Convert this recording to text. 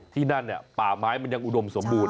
ที่นั่นป่าไม้มันยังอุดมสมบูรณ